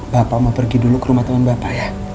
bapak mau pergi dulu ke rumah teman bapak ya